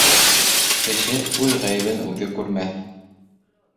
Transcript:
Кеше үҙ ғәйебен үҙе күрмәҫ.